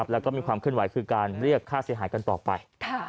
แล้วก็มีความเคลื่อนไหวคือการเรียกค่าเสียหายกันต่อไป